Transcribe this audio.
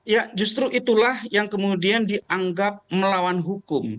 ya justru itulah yang kemudian dianggap melawan hukum